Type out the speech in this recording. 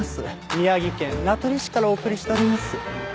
宮城県名取市からお送りしております。